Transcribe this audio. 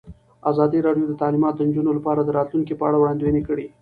ازادي راډیو د تعلیمات د نجونو لپاره د راتلونکې په اړه وړاندوینې کړې.